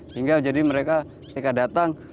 sehingga jadi mereka ketika datang